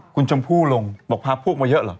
คุณชมพู่ลงบอกพาพวกมาเยอะเหรอ